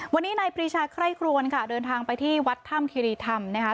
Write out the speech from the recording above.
วันนี้ในพรีชาไคร่ครวญค่ะเดินทางไปที่วัดท่ามธริษฐรรมนะฮะ